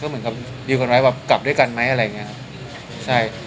ก็เหมือนกับอยู่กันไว้กลับด้วยกันมั้ยอะไรอย่างเงี้ยครับ